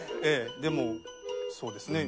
でもそうですね。